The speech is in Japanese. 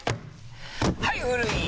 はい古い！